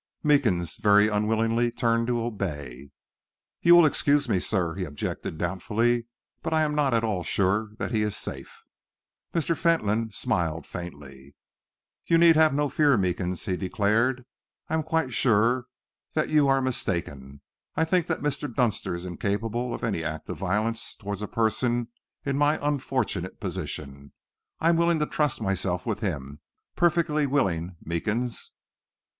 Meekins very unwillingly turned to obey. "You will excuse me, sir," he objected doubtfully, "but I am not at all sure that he is safe." Mr. Fentolin smiled faintly. "You need have no fear, Meekins," he declared. "I am quite sure that you are mistaken. I think that Mr. Dunster is incapable of any act of violence towards a person in my unfortunate position. I am willing to trust myself with him perfectly willing, Meekins."